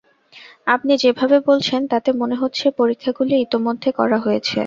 আপনি যেভাবে বলছেন তাতে মনে হচ্ছে পরীক্ষাগুলি ইতিমধ্যে করা হয়েছে।